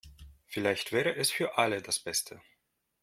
Vielleicht wäre es für alle das Beste.